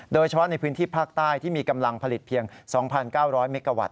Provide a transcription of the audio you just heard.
โดยเฉพาะในพื้นที่ภาคใต้ที่มีกำลังผลิตเพียง๒๙๐๐เมกาวัต